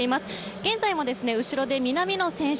現在も後ろで南野選手